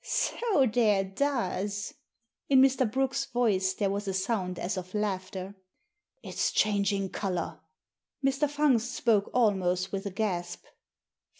" So there does." In Mr. Brooke's voice there was a sound as of laughter. It's changing colour." Mr. Fungst spoke almost with a gasp.